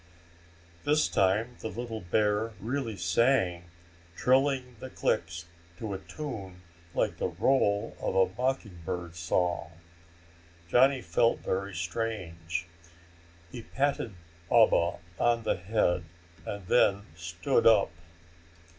This time the little bear really sang, trilling the clicks to a tune like the roll of a mockingbird's song. Johnny felt very strange. He patted Baba on the head and then stood up.